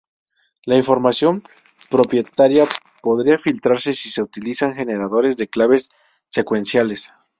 La información propietaria podría filtrarse si se utilizan generadores de claves secuenciales.